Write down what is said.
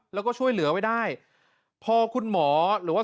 แล้วก็ช่วยเหลือไว้ได้พอคุณหมอหรือว่า